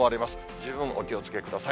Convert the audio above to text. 十分お気をつけください。